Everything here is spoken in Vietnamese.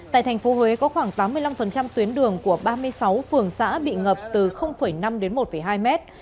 tại thành phố huế có khoảng tám mươi năm tuyến đường của ba mươi sáu phường xã bị ngập từ năm đến một hai mét